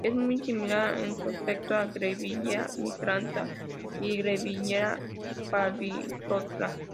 Es muy similar en su aspecto a "Grevillea micrantha" y "Grevillea parviflora".